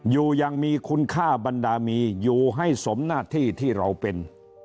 อยู่ยังมีคุณค่าบรรดามีอยู่ให้สมหน้าที่ที่เราเป็น